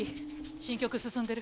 新曲進んでる？